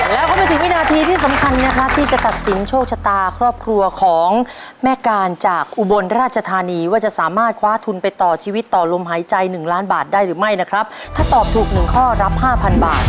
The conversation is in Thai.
แล้วก็มาถึงวินาทีที่สำคัญนะครับที่จะตัดสินโชคชะตาครอบครัวของแม่การจากอุบลราชธานีว่าจะสามารถคว้าทุนไปต่อชีวิตต่อลมหายใจหนึ่งล้านบาทได้หรือไม่นะครับถ้าตอบถูกหนึ่งข้อรับห้าพันบาท